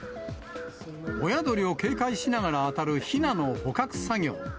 親鳥を警戒しながら当たるひなの捕獲作業。